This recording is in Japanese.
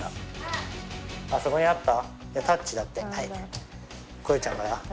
そこにあった？